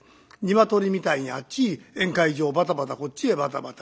鶏みたいにあっちに宴会場バタバタこっちへバタバタ。